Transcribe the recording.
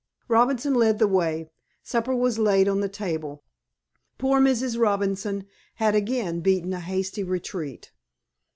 Robinson led the way. Supper was laid on the table. Poor Mrs. Robinson had again beaten a hasty retreat.